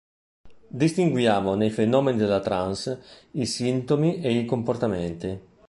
Distinguiamo nei fenomeni della trance i sintomi e i comportamenti.